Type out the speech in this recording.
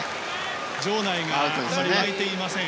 場内があまり沸いていません。